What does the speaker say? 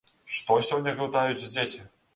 Што сёння глытаюць дзеці?